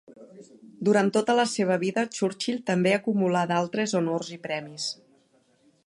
Durant tota la seva vida, Churchill també acumulà d'altres honors i premis.